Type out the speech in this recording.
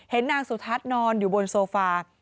นางสุทัศน์นอนอยู่บนโซฟา